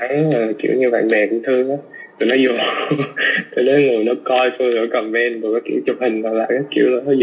nhưng mà đi tìm ngoài không đáng